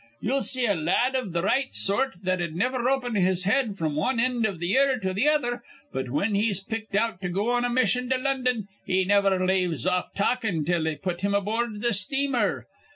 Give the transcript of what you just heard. You'll see a lad iv th' right sort that'd niver open his head fr'm wan end iv th' year to th'other; but, whin he's picked out to go on a mission to London, he niver laves off talkin' till they put him aboord th' steamer.